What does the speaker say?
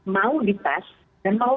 mau dites dan mau